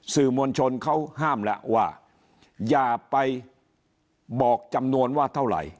สื่อมวลชนเขาห้ามแล้วว่าอย่าไปบอกจำนวนว่าเท่าไหร่